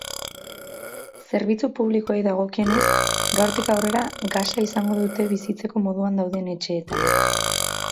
Zerbitzu publikoei dagokienez, gaurtik aurrera gasa izango dute bizitzeko moduan dauden etxeetan.